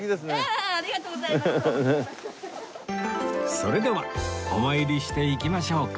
それではお参りしていきましょうか